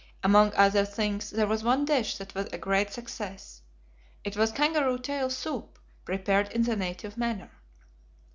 Among other things, there was one dish that was a great success. It was kangaroo tail soup, prepared in the native manner.